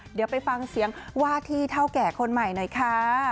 เดี๋ยวไปฟังเสียงว่าที่เท่าแก่คนใหม่หน่อยค่ะ